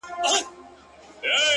خدايه ښامار د لمر رڼا باندې راوښويدی’